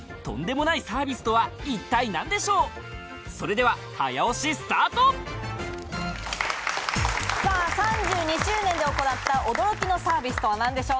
それでは早押しスタートさぁ３２周年で行った驚きのサービスとは何でしょうか？